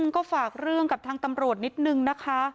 ก็ฝากเรื่องกับทางตำรวจนิดนึงนะคะ